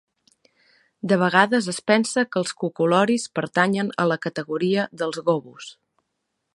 De vegades es pensa que els cucoloris pertanyen a la categoria dels gobos.